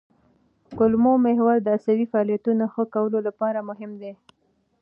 کولمو محور د عصبي فعالیت ښه کولو لپاره مهم دی.